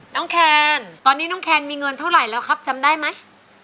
แคนตอนนี้น้องแคนมีเงินเท่าไหร่แล้วครับจำได้ไหม